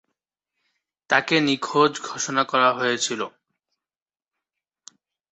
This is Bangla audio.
তাকে নিখোঁজ ঘোষণা করা হয়েছিল।